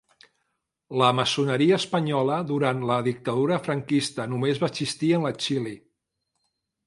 La maçoneria espanyola durant la dictadura franquista només va existir en l'exili.